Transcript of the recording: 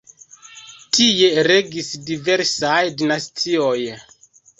Tie regis diversaj dinastioj.